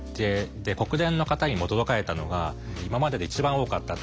で国連の方にも驚かれたのが今までで一番多かったと。